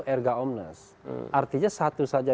erga omnas artinya satu saja